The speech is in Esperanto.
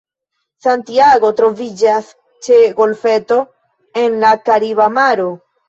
Santiago troviĝas ĉe golfeto en la Kariba Maro.